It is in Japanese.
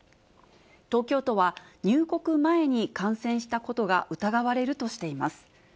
東京都は、入国前に感染したことが疑われるとしています。